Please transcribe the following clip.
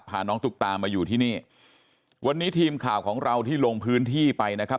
พาน้องตุ๊กตามาอยู่ที่นี่วันนี้ทีมข่าวของเราที่ลงพื้นที่ไปนะครับ